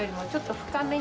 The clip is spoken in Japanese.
深めに？